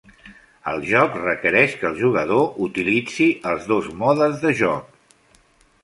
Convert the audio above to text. El joc requereix que el jugador utilitzi els dos modes de joc.